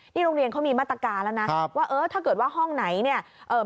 นี่โรงเรียนเขามีมาตรการแล้วนะว่าเออถ้าเกิดว่าห้องไหนเนี่ยเอ่อ